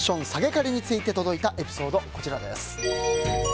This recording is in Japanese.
彼について届いたエピソードです。